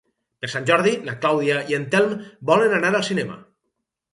Per Sant Jordi na Clàudia i en Telm volen anar al cinema.